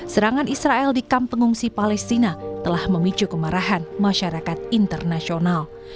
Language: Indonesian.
serangan israel di kamp pengungsi palestina telah memicu kemarahan masyarakat internasional